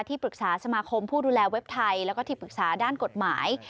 ปรึกษาสมาคมผู้ดูแลเว็บไทยแล้วก็ที่ปรึกษาด้านกฎหมาย